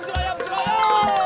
terima kasih komandan